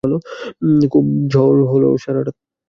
খুব ঝড় হল সারা রাত!